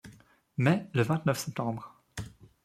Mais, le vingt-neuf septembre